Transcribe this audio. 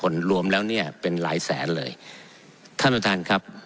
รวมแล้วเนี่ยเป็นหลายแสนเลยท่านประธานครับ